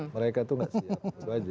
mereka tuh nggak siap itu aja